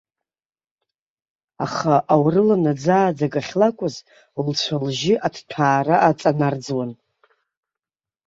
Аха аурыла наӡа-ааӡак ахьлакәыз, лцәа-лжьы аҭҭәаара аҵанарӡуан.